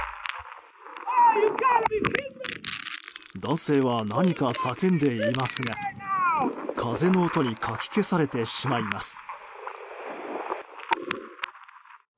男性は何か叫んでいますが風の音にかき消されてしまいます。